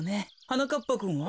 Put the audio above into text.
はなかっぱくんは？